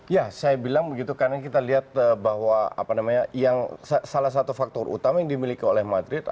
ya saya bilang begitu karena kita lihat bahwa apa namanya yang salah satu faktor utama yang dimiliki oleh madrid